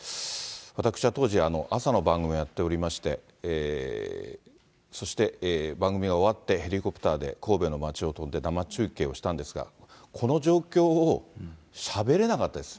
私は当時、朝の番組をやっておりまして、そして番組が終わって、ヘリコプターで神戸の街を飛んで、生中継をしたんですが、この状況をしゃべれなかったです。